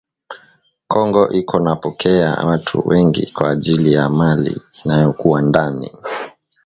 Kongo iko napokeya watu wengi kwa ajili ya mali inayo kuwa ndani